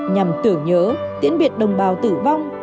nhằm tưởng nhớ tiến biệt đồng bào tử vong